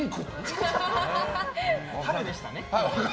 春でしたね。